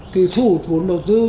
thì thu hút vốn đầu tư